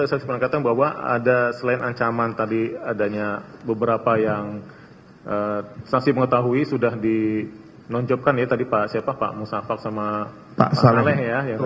saya sempat katakan bahwa ada selain ancaman tadi adanya beberapa yang saksi mengetahui sudah dinonjopkan ya tadi pak musafak sama pak aleh ya